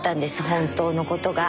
本当のことが。